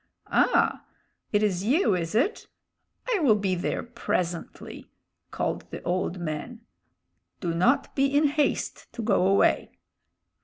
"Ah! it is you, is it? I will be there presently," called the old man. "Do not be in haste to go away!"